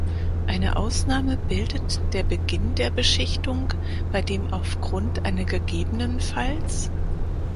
Eine Ausnahme bildet der Beginn der Beschichtung, bei dem aufgrund einer ggf.